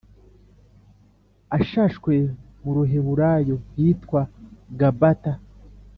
ashashwe mu Ruheburayo hitwa Gabata